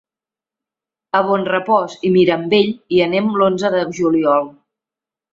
A Bonrepòs i Mirambell hi anem l'onze de juliol.